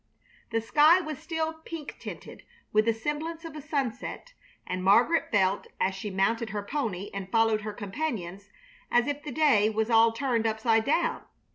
The sky was still pink tinted with the semblance of a sunset, and Margaret felt, as she mounted her pony and followed her companions, as if the day was all turned upside down.